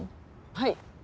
はい。